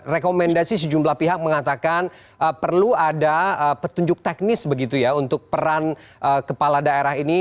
rekomendasi sejumlah pihak mengatakan perlu ada petunjuk teknis begitu ya untuk peran kepala daerah ini